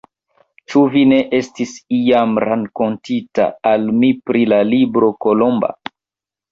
Ĉu vi ne estis iam rakontinta al mi pri la libro Kolomba?